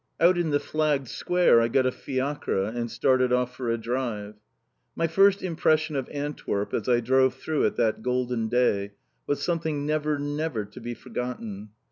Out in the flagged square I got a fiacre, and started off for a drive. My first impression of Antwerp, as I drove through it that golden day, was something never, never to be forgotten.